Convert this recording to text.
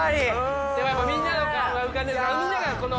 みんなの顔が浮かんで。